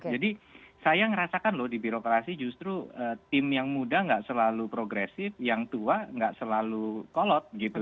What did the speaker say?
jadi saya ngerasakan loh di birokrasi justru tim yang muda gak selalu progresif yang tua gak selalu kolot gitu